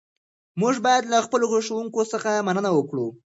موږ باید له خپلو ښوونکو څخه مننه وکړو.